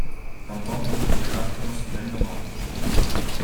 Tampoc no tenia cap revestiment de maons.